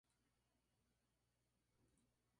Es un endemismos de Australia.